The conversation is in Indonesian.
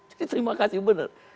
jadi terima kasih benar